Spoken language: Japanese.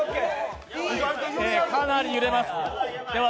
かなり揺れます。